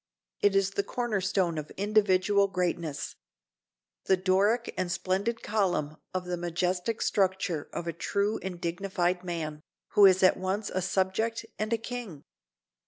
It is the corner stone of individual greatness—the Doric and splendid column of the majestic structure of a true and dignified man, who is at once a subject and a king.